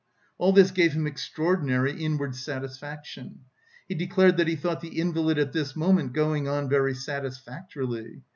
All this gave him extraordinary inward satisfaction. He declared that he thought the invalid at this moment going on very satisfactorily.